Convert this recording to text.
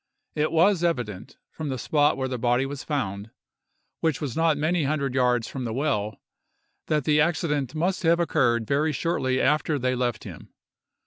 It was evident, from the spot where the body was found, which was not many hundred yards from the well, that the accident must have occurred very shortly after they left him.